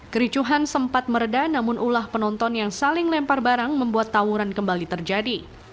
kericuhan sempat meredah namun ulah penonton yang saling lempar barang membuat tawuran kembali terjadi